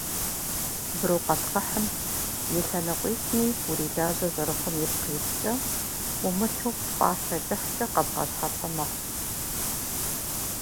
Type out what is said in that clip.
Брукъэтхъыхьым и лъэныкъуитӏми урилажьэ зэрыхъум ипкъ иткӏэ, умылъу пӏалъэ кӏыхькӏэ къэбгъэщхьэпэ мэхъу.